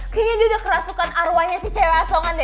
kayaknya dia udah kerasukan arwahnya sih cewek asongan deh